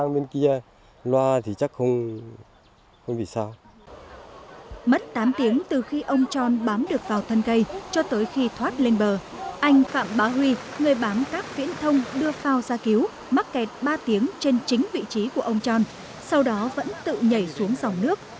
mất tám tiếng từ khi ông tròn bám được vào thân cây cho tới khi thoát lên bờ anh phạm bá huy người bám các viễn thông đưa phao ra cứu mắc kẹt ba tiếng trên chính vị trí của ông tròn sau đó vẫn tự nhảy xuống dòng nước